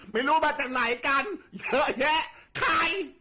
ไม่รู้มาจากไหนกันเยอะแยะใคร